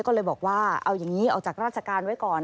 ก็เลยบอกว่าเอาอย่างนี้ออกจากราชการไว้ก่อน